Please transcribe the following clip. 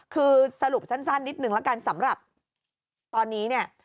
คือสรุปสั้นนิดนึงละกันสำหรับตอนนี้เนี่ย